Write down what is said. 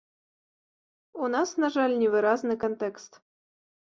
У нас, на жаль, невыразны кантэкст.